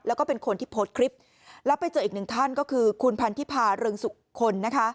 แล้วก็เป็นคนที่โพสต์คลิปแล้วไปเจออีกหนึ่งท่านก็คือคุณพันธิพาเริงสุขลนะคะ